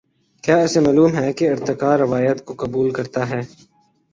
کیا اسے معلوم ہے کہ ارتقا روایت کو قبول کرتا ہے۔